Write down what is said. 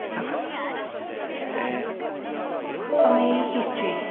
そうですねぇ。